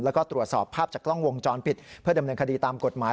แล้วก็ตรวจสอบภาพจากกล้องวงจรปิดเพื่อดำเนินคดีตามกฎหมาย